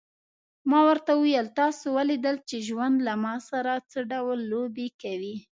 ما ورته وویل: تاسي ولیدل چې ژوند له ما سره څه ډول لوبې کوي.